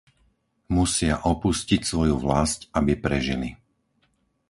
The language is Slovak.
Musia opustiť svoju vlasť, aby prežili.